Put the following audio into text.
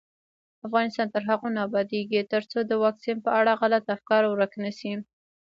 افغانستان تر هغو نه ابادیږي، ترڅو د واکسین په اړه غلط افکار ورک نشي.